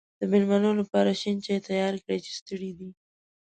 د مېلمنو لپاره شین چای تیار کړی چې ستړی دی.